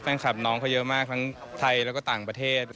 น้องเขาเยอะมากทั้งไทยแล้วก็ต่างประเทศ